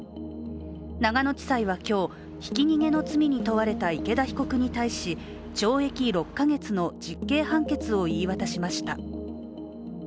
長野地裁は今日、ひき逃げの罪に問われた池田被告に対し、懲役６か月の実刑判決を言い渡しました。